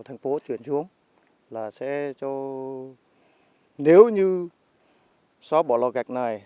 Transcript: thành phố chuyển xuống là sẽ cho nếu như xóa bỏ lò gạch này